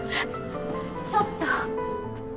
ちょっと！